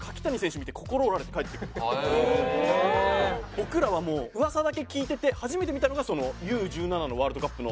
僕らはもう噂だけ聞いてて初めて見たのがＵ−１７のワールドカップのフランス戦で。